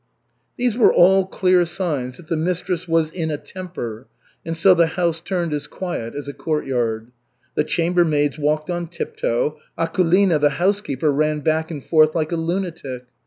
These were all clear signs that the mistress was "in a temper," and so the house turned as quiet as a churchyard. The chambermaids walked on tiptoe; Akulina, the housekeeper, ran back and forth like a lunatic.